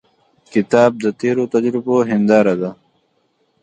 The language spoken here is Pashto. کتاب د تیرو تجربو هنداره ده.